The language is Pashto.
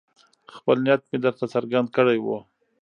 خپل نیت مې درته څرګند کړی وو.